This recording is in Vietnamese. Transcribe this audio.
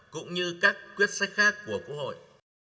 cũng như các quyết sách khác của quốc hội